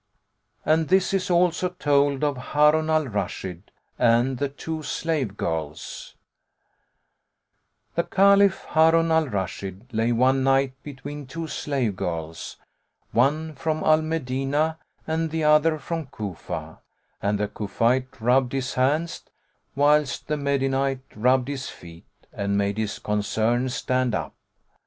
And this is also told of HARUN AL RASHID AND THE TWO SLAVE GIRLS The Caliph Harun al Rashid lay one night between two slave girls, one from Al Medinah and the other from Cufa and the Cufite rubbed his hands, whilst the Medinite rubbed his feet and made his concern[FN#115] stand up.